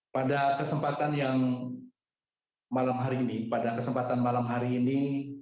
pada kesempatan yang malam hari ini pada kesempatan malam hari ini